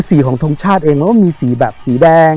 สีของทรงชาติเองมันก็มีสีแบบสีแดง